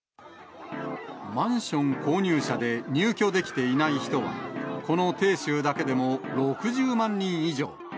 マンション購入者で入居できていない人は、この鄭州だけでも６０万人以上。